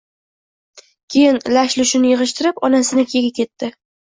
Keyin lash-lushini yig`ishtirib, onasinikiga ketdi